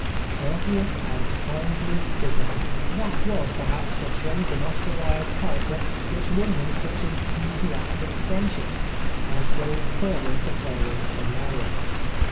Courteous and kindly dignity" : that was, perhaps, the trait in Oscar Wilde's character which won him such enthusiastic friendships, and so fervent a following of admirers.